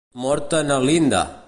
Morta Na Linda!